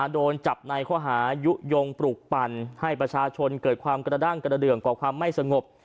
โดนจับในข้อหายุโยงปลูกปั่นให้ประชาชนเกิดความกระดั้งกระเดืองก่อความไม่สงบ